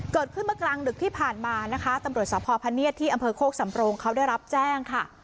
เกิดขึ้นเมื่อกลางดึกที่ผ่านมานะคะตำรวจสพพเนียดที่อำเภอโคกสำโรงเขาได้รับแจ้งค่ะ